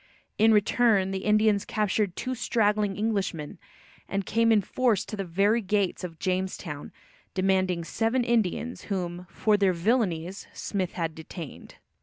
In return, the Indians captured two straggling Englishmen, and came in force to the very gates of Jamestown, demanding seven Indians, whom, "for their villainies," Smith had detained.